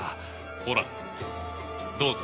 ほらどうぞ。